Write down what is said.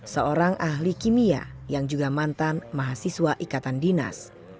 seorang ahli kimia yang juga mantan mahasiswa ikatan dinas